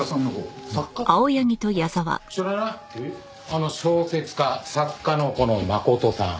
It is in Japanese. あの小説家作家のこの真琴さん。